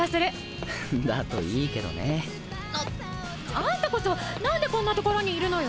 アンタこそ何でこんなところにいるのよ！